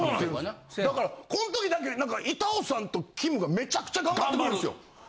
だからこん時だけ板尾さんとキムがめちゃくちゃ頑張るんですよ。